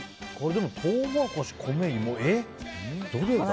トウモロコシ、米、どれだ。